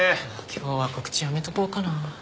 今日は告知やめとこうかな。